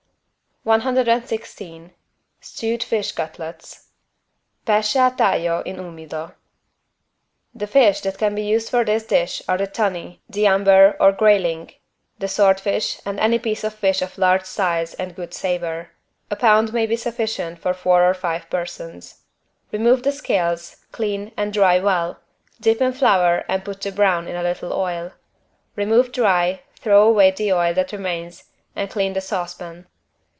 116 STEWED FISH CUTLETS (Pesce a taglio in umido) The fish that can be used for this dish are the tunny, the umber or grayling, the sword fish and any piece of fish of large size and good savor. A pound may be sufficient for four or five persons. Remove the scales, clean and dry well, dip in flour and put to brown in a little oil. Remove dry, throw away the oil that remains and clean the saucepan.